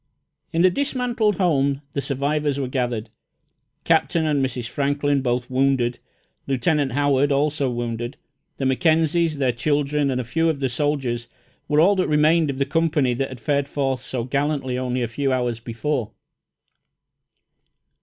In the dismantled home the survivors were gathered. Captain and Mrs. Franklin, both wounded; Lieutenant Howard, also wounded; the Mackenzies, their children, and a few of the soldiers were all that remained of the company that had fared forth so gallantly only a few hours before.